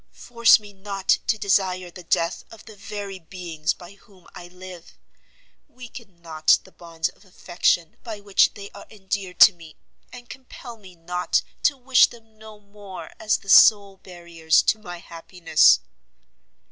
force me not to desire the death of the very beings by whom I live! weaken not the bonds of affection by which they are endeared to me, and compel me not to wish them no more as the sole barriers to my happiness!"